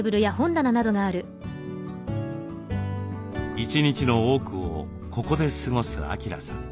一日の多くをここで過ごす晃さん。